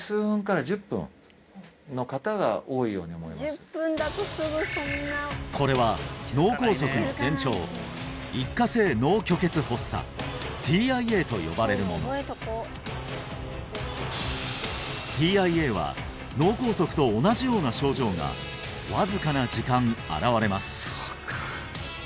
何かこれは脳梗塞の前兆一過性脳虚血発作ＴＩＡと呼ばれるものＴＩＡは脳梗塞と同じような症状がわずかな時間現れます